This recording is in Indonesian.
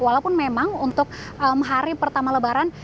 walaupun memang untuk hari pertama lebaran